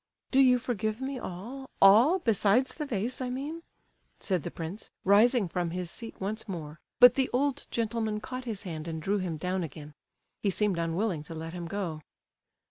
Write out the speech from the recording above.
"Do you forgive me all—all, besides the vase, I mean?" said the prince, rising from his seat once more, but the old gentleman caught his hand and drew him down again—he seemed unwilling to let him go.